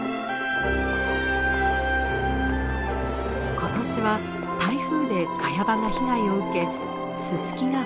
今年は台風でカヤ場が被害を受けススキが不足。